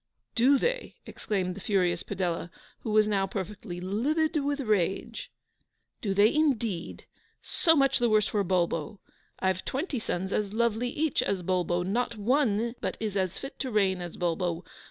'Do they?' exclaimed the furious Padella, who was now perfectly LIVID with rage.' Do they indeed? So much the worse for Bulbo. I've twenty sons as lovely each as Bulbo. Not one but is as fit to reign as Bulbo.